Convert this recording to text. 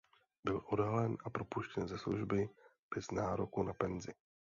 Byl odhalen a propuštěn ze služby bez nároku na penzi.